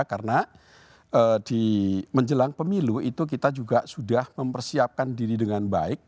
karena di menjelang pemilu itu kita juga sudah mempersiapkan diri dengan baik